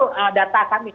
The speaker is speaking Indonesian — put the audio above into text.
itu data kami